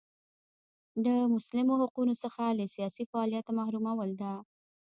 له مسلمو حقونو څخه له سیاسي فعالیته محرومول ده.